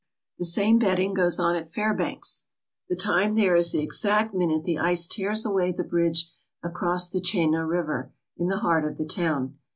"The same betting goes on at Fairbanks. The time there is the exact minute the ice tears away the bridge across the Chena River, in the heart of the town.